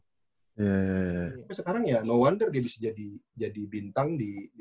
tapi sekarang ya no wonder dia bisa jadi bintang di dunia